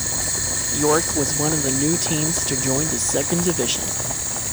York was one of the new teams to join the second division.